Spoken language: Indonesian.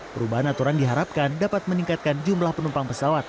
perubahan aturan diharapkan dapat meningkatkan jumlah penumpang pesawat